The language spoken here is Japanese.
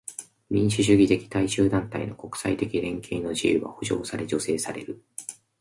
民主主義的大衆団体の国際的連携の自由は保障され助成される。